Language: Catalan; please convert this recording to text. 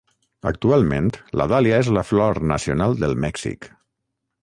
Actualment la dàlia és la flor nacional del Mèxic.